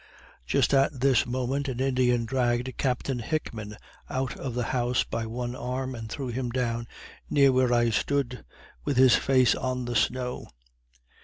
Just at this moment an Indian dragged Captain Hickman out of the house by one arm, and threw him down near where I stood, with his face on the snow.